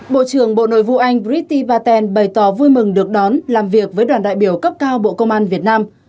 bộ trưởng bộ nội vụ anh brity paten bày tỏ vui mừng được đón làm việc với đoàn đại biểu cấp cao bộ công an việt nam